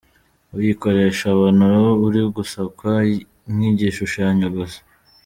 Uyikoresha abona uri gusakwa nk’igishushanyo gusa.